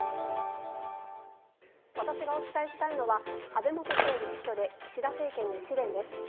私がお伝えしたいのは安倍元総理死去で岸田政権に試練です。